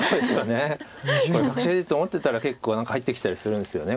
これ確定地と思ってたら結構入ってきたりするんですよね